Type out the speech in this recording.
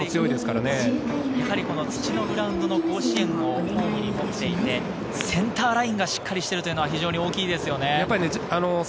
やはり土のグラウンドの甲子園をホームに持っていて、センターラインがしっかりしているというのは非常に大きいですよね。